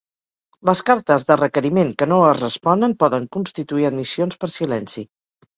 Les cartes de requeriment que no es responen poden constituir admissions per silenci.